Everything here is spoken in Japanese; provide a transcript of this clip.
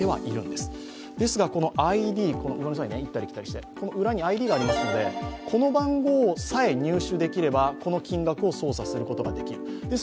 ですが、裏にＩＤがありますので、この番号さえ入手できればこの金額を精査することができる。